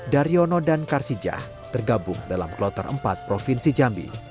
daryono dan karsijah tergabung dalam kloter empat provinsi jambi